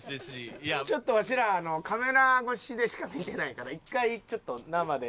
ちょっとわしらカメラ越しでしか見てないから一回ちょっと生で。